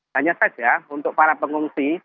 hanya saja untuk para pengungsi